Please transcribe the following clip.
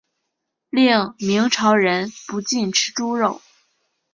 另明朝人不禁吃猪肉。